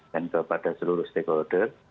dan kepada seluruh stakeholder